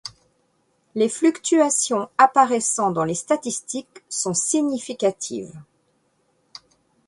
Les fluctuations apparaissant dans les statistiques sont significatives.